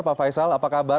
pak faisal apa kabar